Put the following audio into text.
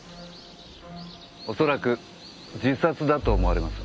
恐らく自殺だと思われます。